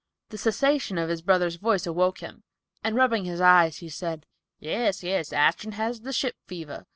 The cessation of his brother's voice awoke him, and rubbing his eyes he said, "Yes, yes, Ashton had the ship fever.